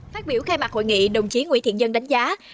phát biểu khai mạc hội nghị đồng chí nguyễn thiện nhân đánh giá